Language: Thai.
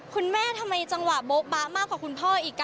คุณแม่จังหวะเบาป้ามากกว่าคุณพ่ออีก